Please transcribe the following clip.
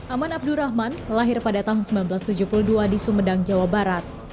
aman abdurrahman lahir pada tahun seribu sembilan ratus tujuh puluh dua di sumedang jawa barat